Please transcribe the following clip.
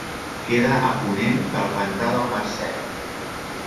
Queda a ponent del Pantà del Marcet.